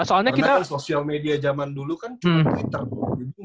karena kan sosial media zaman dulu kan cuma twitter